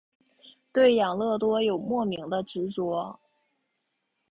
对养乐多有莫名的执着。